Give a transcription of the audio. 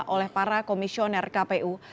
oleh para komisioner kpu